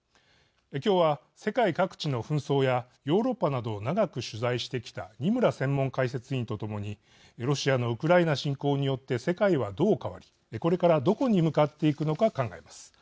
今日は、世界各地の紛争やヨーロッパなどを長く取材してきた二村専門解説委員と共にロシアのウクライナ侵攻によって世界はどう変わり、これからどこに向かっていくのか考えます。